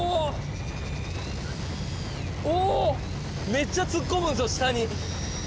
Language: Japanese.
めっちゃ突っ込むんですよ下に！